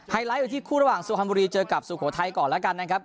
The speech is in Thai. ไลท์อยู่ที่คู่ระหว่างสุพรรณบุรีเจอกับสุโขทัยก่อนแล้วกันนะครับ